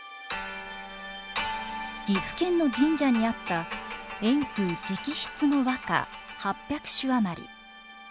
岐阜県の神社にあった円空直筆の和歌８００首余り。